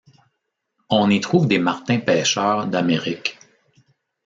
On y trouve des martins-pêcheurs d'Amérique.